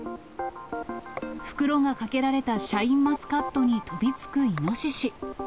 袋がかけられたシャインマスカットに飛びつくイノシシ。